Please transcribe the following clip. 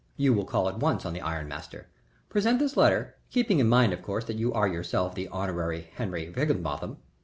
"You will call at once on the iron master. Present this letter, keeping in mind of course that you are yourself the Hon. Henry Higginbotham.